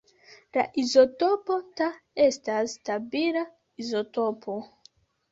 La izotopo Ta estas stabila izotopo.